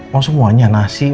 mau semuanya nasi